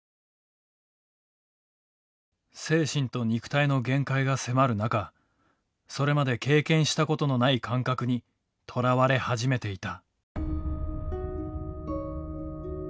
精神と肉体の限界が迫る中それまで経験したことのない感覚にとらわれ始めていた。